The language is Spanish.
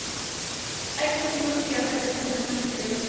Hay muchos libros que hablan de este fenómeno misterioso.